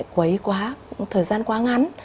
quấy quá thời gian quá ngắn